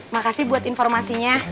makasih buat informasinya